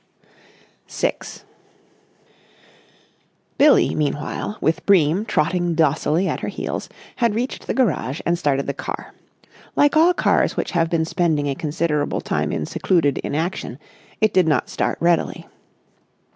§ 6 Billie meanwhile, with Bream trotting docilely at her heels, had reached the garage and started the car. Like all cars which have been spending a considerable time in secluded inaction, it did not start readily.